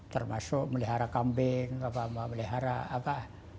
termasuk melihara kambing memelihara apa